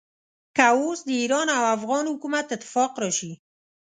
که اوس د ایران او افغان حکومت اتفاق راشي.